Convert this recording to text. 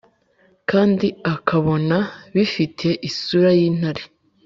kandi akabona bifite isura y'intare.